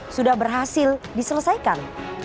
sudah berhasil diselesaikan